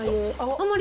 あんまり？